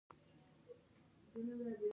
زاول ولسوالی د هرات په شینډنډ کې موقعیت لري.